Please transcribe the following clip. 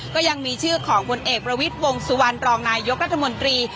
ก็ยังมีชื่อของผลเอกประวิทย์วงสุวรรณรองนายยกรัฐมนตรี